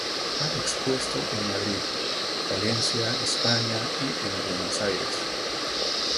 Ha expuesto en Madrid, Valencia, España y en Buenos Aires.